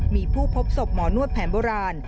มีผู้พบศพหมอนวดแผนโบราณ